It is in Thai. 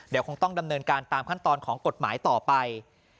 เดี๋ยวคงต้องดำเนินการตามขั้นตอนของกฎหมายต่อไป